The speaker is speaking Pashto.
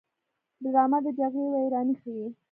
ډرامه د جګړې ویرانۍ ښيي